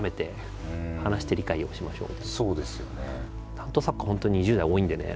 担当作家本当２０代多いんでね